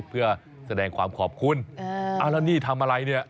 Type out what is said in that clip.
เพื่อแสดงความขอบคุณเอาแล้วนี่ทำอะไรเนี่ย